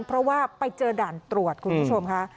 เพราะว่าไปเจอด่านตรวจคุณผู้ชมค่ะ